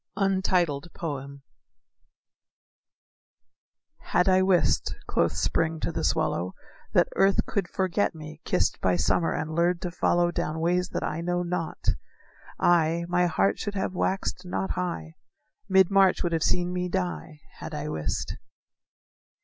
_ "Had I wist," quoth Spring to the swallow, "That earth could forget me, kissed By summer, and lured to follow Down ways that I know not, I, My heart should have waxed not high, Mid March would have seen me die, Had I wist."